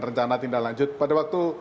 rencana tindak lanjut pada waktu